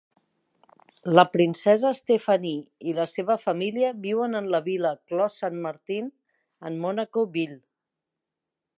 La princesa Stephanie i la seva família viuen en la vila Clos Saint-Martin en Monaco-ville.